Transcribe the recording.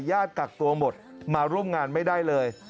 กักตัวหมดมาร่วมงานไม่ได้เลย